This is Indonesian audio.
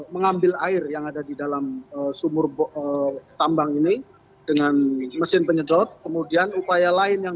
mengambil air yang ada di dalam sumur tambang ini dengan mesin penyedot kemudian upaya lain yang